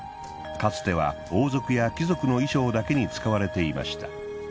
かつては王族や貴族の衣装だけに使われていました。